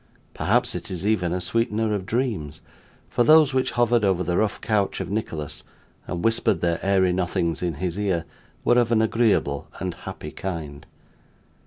Perhaps it is even a sweetener of dreams, for those which hovered over the rough couch of Nicholas, and whispered their airy nothings in his ear, were of an agreeable and happy kind.